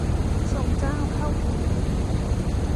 ทรงเจ้าเข้าผี